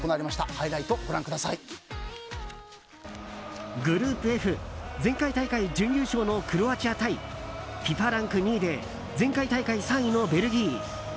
ハイライトグループＦ前回大会準優勝のクロアチア対ＦＩＦＡランク２位で前回大会３位のベルギー。